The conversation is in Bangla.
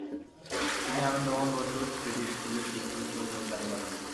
তিনি আনন্দমোহন বসুর সিটি স্কুলে শিক্ষক হিসাবে যোগ দান করেন।